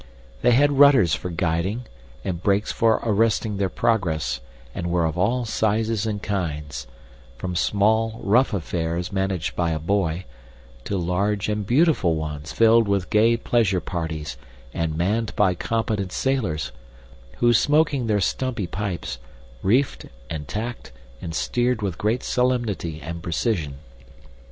They had rudders for guiding and brakes for arresting their progress and were of all sizes and kinds, from small, rough affairs managed by a boy, to large and beautiful ones filled with gay pleasure parties and manned by competent sailors, who, smoking their stumpy pipes, reefed and tacked and steered with great solemnity and precision.